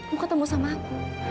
mau ketemu sama aku